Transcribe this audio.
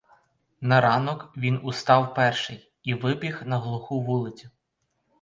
На ранок він устав перший і вибіг на глуху вулицю.